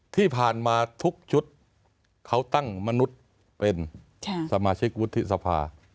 ที่ผ่านมาทุกชุดเขาตั้งมนุษย์เป็นสมาชิกวุฒิสภา